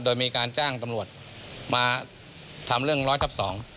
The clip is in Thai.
โดยมีการจ้างตำรวจมาทำเรื่องร้อยทับสอง